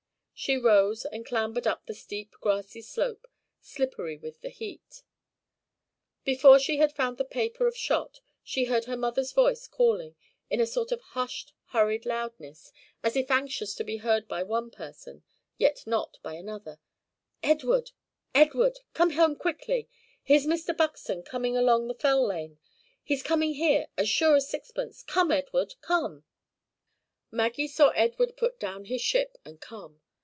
She rose, and clambered up the steep grassy slope, slippery with the heat. Before she had found the paper of shot, she heard her mother's voice calling, in a sort of hushed hurried loudness, as if anxious to be heard by one person yet not by another "Edward, Edward, come home quickly. Here's Mr. Buxton coming along the Fell Lane; he's coming here, as sure as sixpence; come, Edward, come." Maggie saw Edward put down his ship and come.